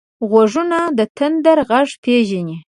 غوږونه د تندر غږ پېژني